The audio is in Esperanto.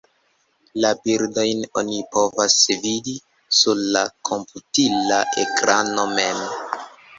La bildojn oni povas vidi sur la komputila ekrano mem.